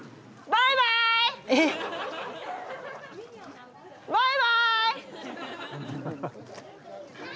バイバーイ！